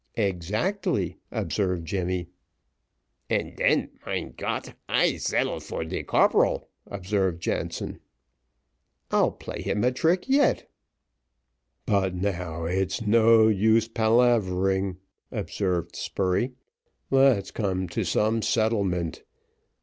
"Exactly," observed Jemmy. "And den, mein Gott, I zettle for de corporal," observed Jansen. "I'll play him a trick yet." "But now, it's no use palavering," observed Spurey; "let's come to some settlement.